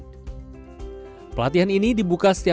prosedur mendapatkan lisensi menggunakan sim